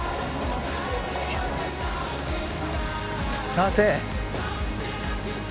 さて。